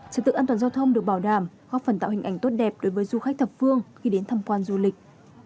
trật tự an toàn giao thông được bảo đảm góp phần tạo hình ảnh tốt đẹp đối với du khách thập phương khi đến thăm quan du lịch